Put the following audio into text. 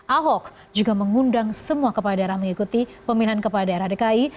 ahok juga mengundang semua kepala daerah mengikuti pemilihan kepala daerah dki